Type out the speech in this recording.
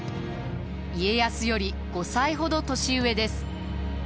家康より５歳ほど年上です。